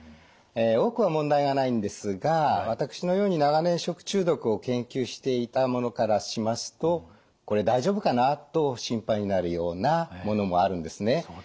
多くは問題がないんですが私のように長年食中毒を研究していた者からしますとこれ大丈夫かな？と心配になるようなものもあるんですね。